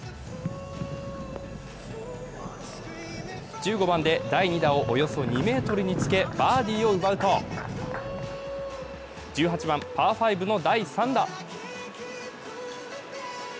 １５番で第２打をおよそ２ｍにつけバーディーを奪うと１８番パー５の第３打。